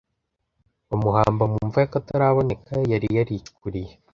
bamuhamba mu mva y akataraboneka yari yaricukuriye